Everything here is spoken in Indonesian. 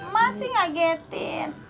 masih gak getin